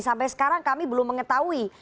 sampai sekarang kami belum mengetahui